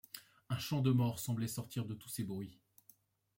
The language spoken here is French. Un chant de mort semblait sortir de tous ces bruits ;